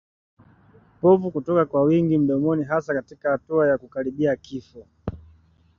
Povu kutoka kwa wingi mdomoni hasa katika hatua ya kukaribia kifo